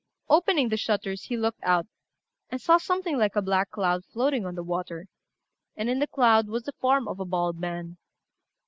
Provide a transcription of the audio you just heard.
Opening the shutters, he looked out, and saw something like a black cloud floating on the water, and in the cloud was the form of a bald man.